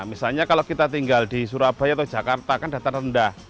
misalnya kalau kita tinggal di surabaya atau jakarta kan data rendah